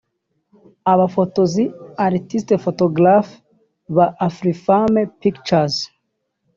Abafotozi (artistes photographe) ba Afrifame Pictures